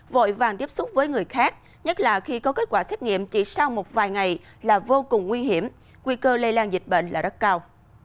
vội vàng tiếp xúc với người khác nhất là khi có kết quả xét nghiệm chỉ sau một vài ngày là vô cùng nguy hiểm quy cơ lây lan dịch bệnh là rất cao